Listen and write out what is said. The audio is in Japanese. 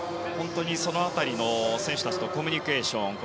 その辺りの選手たちのコミュニケーション。